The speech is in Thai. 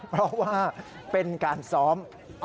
เพราะว่าเป็นการซ้อม